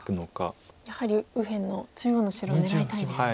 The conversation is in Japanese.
やはり右辺の中央の白を狙いたいですか。